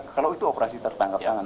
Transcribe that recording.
kalau itu operasi tertangkap tangan